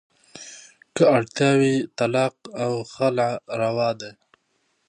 که اړتیا وي، طلاق او خلع روا دي.